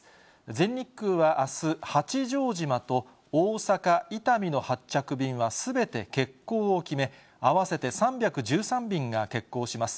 全日空はあす、八丈島と大阪・伊丹の発着便はすべて欠航を決め、合わせて３１３便が欠航します。